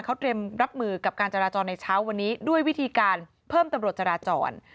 เขาเตรียมรับมือกับการจราจรในเช้าวันนี้ด้วยวิธีการเพิ่มตำรวจจราจร